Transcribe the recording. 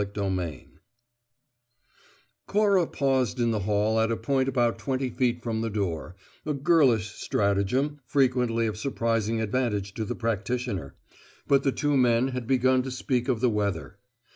CHAPTER TWO Cora paused in the hall at a point about twenty feet from the door, a girlish stratagem frequently of surprising advantage to the practitioner; but the two men had begun to speak of the weather.